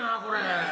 これ。